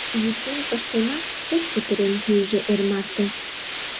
Йӱктен пыштемат, тек кутырен кийыже эр марте.